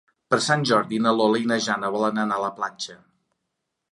Per Sant Jordi na Lola i na Jana volen anar a la platja.